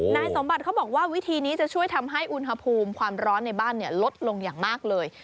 นายสมบัติเขาบอกว่าวิธีนี้จะช่วยทำให้อุณหภูมิความร้อนในบ้านลดลงอย่างมากเลย